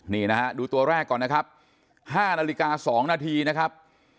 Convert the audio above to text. นี่นะฮะดูตัวแรกก่อนนะครับ๕นาฬิกา๒นาทีนะครับ